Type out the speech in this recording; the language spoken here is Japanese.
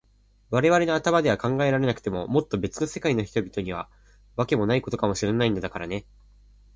われわれの頭では考えられなくても、もっとべつの世界の人には、わけもないことかもしれないのだからね。